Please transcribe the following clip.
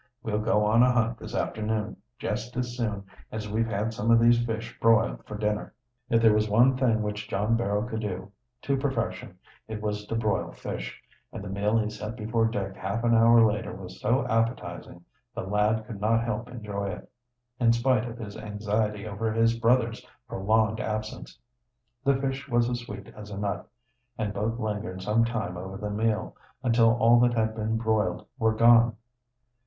We'll go on a hunt this afternoon, jest as soon as we've had some of these fish broiled for dinner." If there was one thing which John Barrow could do to perfection, it was to broil fish, and the meal he set before Dick half an hour later was so appetizing the lad could not help enjoy it, in spite of his anxiety over his brothers' prolonged absence. The fish was as sweet as a nut, and both lingered some time over the meal, until all that had been broiled were gone.